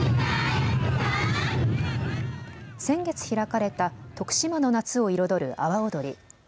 先月開かれた徳島の夏を彩る阿波おどり。